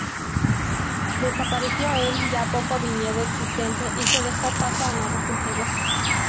Desapareció el ya poco viñedo existente y se dejó paso a nuevos cultivos.